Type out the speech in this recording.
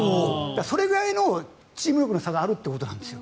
それぐらいのチーム力の差があるということなんです。